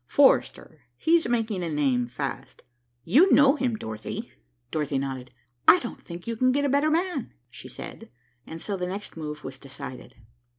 "Forrester; he's making a name fast. You know him, Dorothy?" Dorothy nodded. "I don't think you can get a better man," she said, and so the next move was decided.